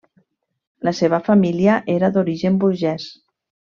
La seva família era d'origen burgès.